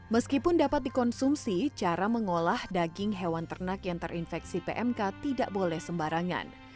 meskipun dapat dikonsumsi cara mengolah daging hewan ternak yang terinfeksi pmk tidak boleh sembarangan